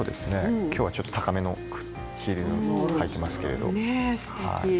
きょうはちょっと高めのヒールを履いていますけれども。